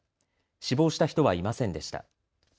死亡した人はいませんでした。